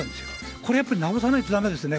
これはやっぱり直さないとだめですよね。